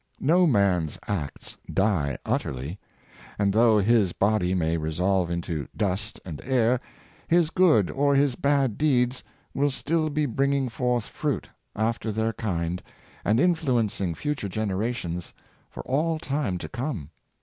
No man's acts die utterly; and though his body may resolve into dust and air, his good or his bad deeds will still be bringing forth fruit after their kind, and influencing future generations for all time to come.